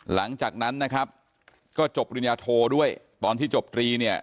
หลังจากนั้นนะครับก็จบปริญญาโทด้วยตอนที่จบตรีเนี่ย